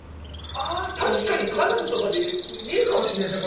あ確かに花壇とかで見るかもしれないですね